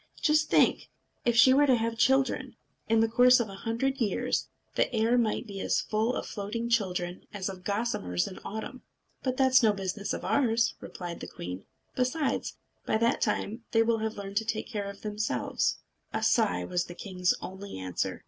"Just think! If she were to have children! In the course of a hundred years the air might be as full of floating children as of gossamers in autumn." "That is no business of ours," replied the queen. "Besides, by that time they will have learned to take care of themselves." A sigh was the king's only answer.